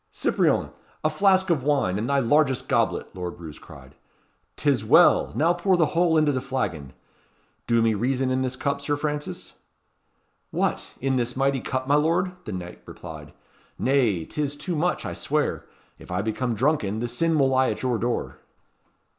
"Cyprien! a flask of wine, and thy largest goblet," Lord Roos cried. "'Tis well! Now pour the whole into the flagon. Do me reason in this cup, Sir Francis?" "What! in this mighty cup, my lord?" the knight replied. "Nay, 'tis too much, I swear. If I become drunken, the sin will lie at your door."